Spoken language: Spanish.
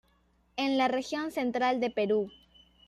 En la región central de Perú.